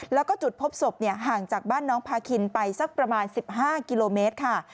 แล้วก็จุดพบศพห่างจากบ้านน้องพาคินไปสักประมาณ๑๕กิโลเมตรค่ะ